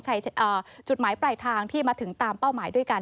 จุดหมายปลายทางที่มาถึงตามเป้าหมายด้วยกัน